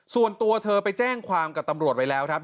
ส่วนตัวเธอไปแจ้งความกับตำรวจไว้แล้วครับ